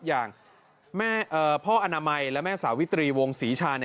อย่างพ่ออนามัยและแม่สาวิตรีวงศรีชา